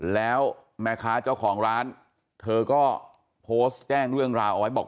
แล้วแม่ค้าเจ้าของร้านเธอก็โพสต์แจ้งเรื่องราวเอาไว้บอก